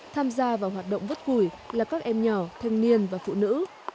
tham gia vào hoạt động vứt củi là các em nhỏ thanh niên và phụ nữ